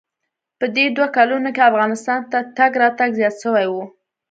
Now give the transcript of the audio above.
په دې دوو کلونو کښې افغانستان ته تگ راتگ زيات سوى و.